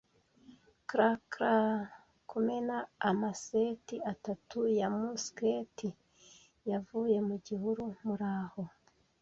crack! crack! kumena! - amaseti atatu ya musketi yavuye mu gihuru. Muraho